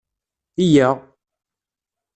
Yya!